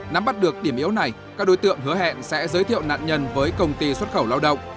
nắm bắt được điểm yếu này các đối tượng hứa hẹn sẽ giới thiệu nạn nhân với công ty xuất khẩu lao động